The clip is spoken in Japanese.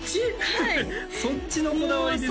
はいそっちのこだわりですか？